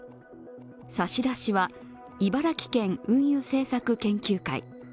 差し出しは茨城県運輸政策研究会。